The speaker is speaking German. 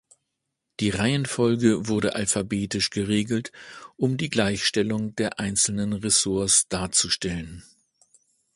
Die Reihenfolge wurde alphabetisch geregelt, um die Gleichstellung der einzelnen Ressorts darzustellen.